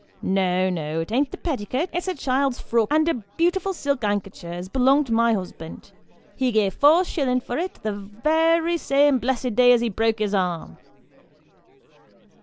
No, no ; it an't the petticut ; it's a child's frock and a beautiful silk ankecher, as belongs to my husband. He gave four shillin' for it, the worry same blessed day as he broke his arm."